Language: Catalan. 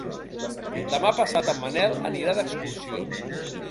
Demà passat en Manel anirà d'excursió.